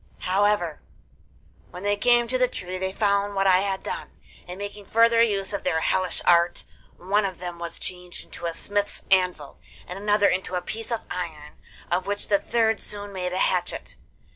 However, when they came to the tree they found what I had done, and making further use of their hellish art, one of them was changed into a smith's anvil and another into a piece of iron, of which the third soon made a hatchet.